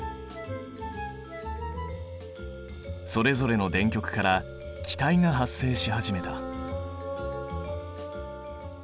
それぞれの電極から気体が発生し始めた。